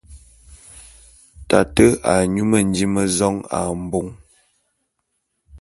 Tate a nyú mendím mé zong ā mbong.